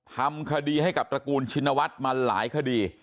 ทำคดีให้กับตระกูลชินวัฒน์มาหลายคดี